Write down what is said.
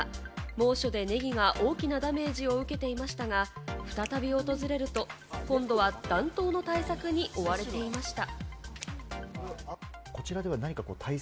猛暑でネギが大きなダメージを受けていましたが、再び訪れると、今度は暖冬の対策に追われていました。